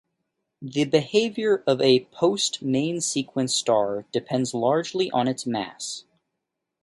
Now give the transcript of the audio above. The behaviour of a post-main-sequence star depends largely on its mass.